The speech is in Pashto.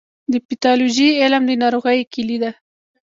د پیتالوژي علم د ناروغیو کلي ده.